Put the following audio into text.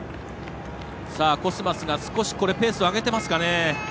コスマス、少しペースを上げていますかね。